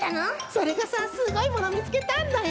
それがさすごいものみつけたんだよ。